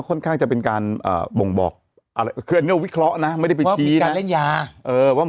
ค่อนข้างจะเป็นการบ่งบอกคืออันนี้วิเคราะห์นะไม่ได้ไปชี้ว่ามีการเล่นยา